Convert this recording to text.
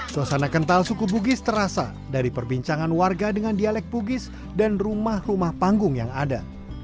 suasana kental suku bugis terasa dari perbincangan warga dengan dialek bugis dan rumah rumah panggung yang ada